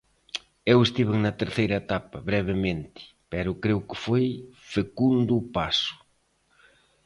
Eu estiven na terceira etapa, brevemente, pero creo que foi fecundo o paso.